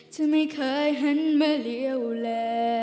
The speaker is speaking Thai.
ฉันไม่เคยหันมาเลี่ยวแล